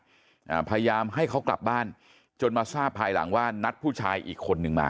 อ่าพยายามให้เขากลับบ้านจนมาทราบภายหลังว่านัดผู้ชายอีกคนนึงมา